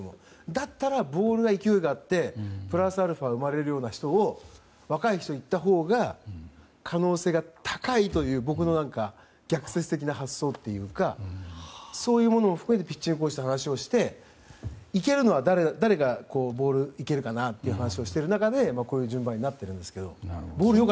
だったらボールの勢いがあってプラスアルファが生まれるような若い人でいったほうが可能性が高いという僕の逆説的な発想というかそういうものも含めてピッチングコーチと話をして誰がいけるかなって話し合ってこういう順番になっているんですけど。